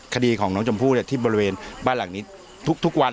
คดีของน้องชมพู่ที่บริเวณบ้านหลังนี้ทุกวัน